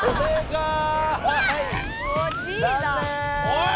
おい！